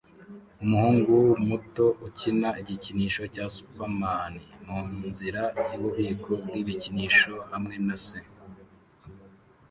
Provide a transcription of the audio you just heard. Umuhungu muto ukina nigikinisho cya Superman munzira yububiko bwibikinisho hamwe na se